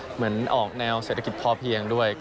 เหมือนออกแนวเศรษฐกิจพอเพียงด้วย